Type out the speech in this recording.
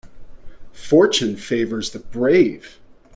Fortune favours the brave.